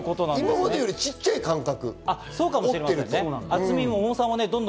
今までより、ちっちゃい感覚。